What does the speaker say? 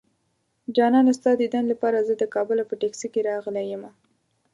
جانانه ستا ديدن لپاره زه د کابله په ټکسي راغلی يمه